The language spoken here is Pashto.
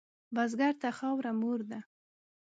بزګر ته خاوره مور ده